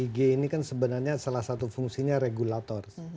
ig ini kan sebenarnya salah satu fungsinya regulator